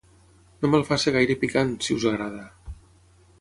No me'l faci gaire picant, si us agrada.